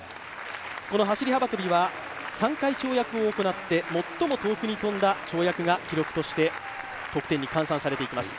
この走幅跳は３回跳躍を行って最も遠くに跳んだ跳躍が記録として得点に換算されていきます。